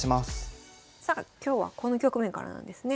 さあ今日はこの局面からなんですね。